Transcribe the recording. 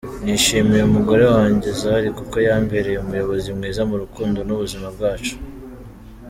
Nishimiye umugore wanjye Zari kuko yambereye umuyobozi mwiza mu rukundo n’ubuzima bwacu…”.